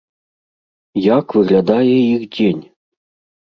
Як выглядае іх дзень?